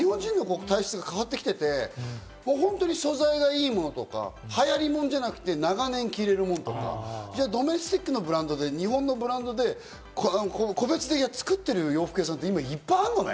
今の若い子たち、僕らみたいな年齢っていうか、日本人の体質が変わってきていて、本当に素材がいいものとか、流行りものじゃなくて、長年着られるものとか、ドメスティックなブランドで日本のブランドで個別で作ってる洋服屋さんって今、いっぱいあるのね。